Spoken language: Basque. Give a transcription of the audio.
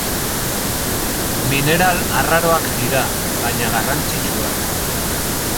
Mineral arraroak dira, baina garrantzitsuak.